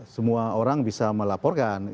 semua orang bisa melaporkan